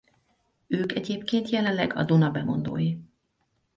Ők egyébként jelenleg a Duna bemondói.